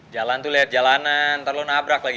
jalan tuh liat jalanan ntar lo nabrak lagi